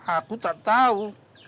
aku tak tahu